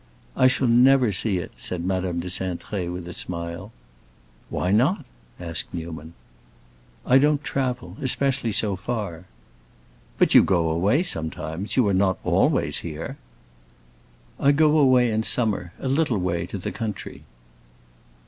"I shall never see it," said Madame de Cintré with a smile. "Why not?" asked Newman. "I don't travel; especially so far." "But you go away sometimes; you are not always here?" "I go away in summer, a little way, to the country."